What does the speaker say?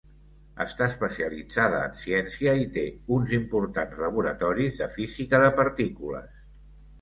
Està especialitzada en ciència i té uns importants laboratoris de física de partícules.